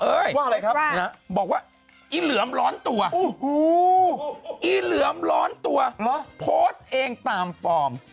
บอกว่าอีเหลือมร้อนตัวอีเหลือมร้อนตัวโพสต์เองตามฟอร์ม